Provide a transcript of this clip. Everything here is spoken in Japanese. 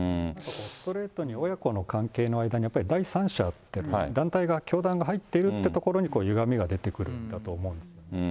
ストレートに親子の関係の間に、やっぱり第三者って、団体が、教団が入っているっていうところにゆがみが出てくるんだと思うん